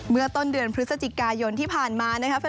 เมื่อต้นเดือนพฤศจิกายนที่ผ่านมานะครับ